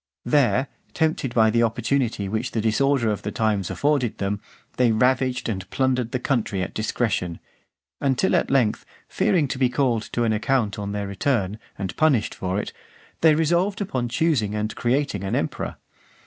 There, tempted by the opportunity which the disorder of the times afforded them, they ravaged and plundered the country at discretion; until at length, fearing to be called to an account on their return, and punished for it, they resolved upon choosing and creating an emperor.